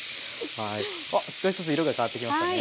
あっ少しずつ色が変わってきましたね。